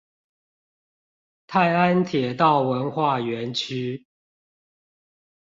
泰安鐵道文化園區